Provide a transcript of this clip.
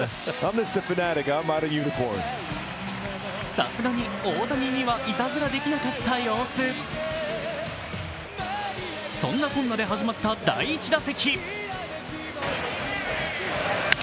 さすがに大谷にはいたずらできなかった様子そんなこんなで始まった第１打席。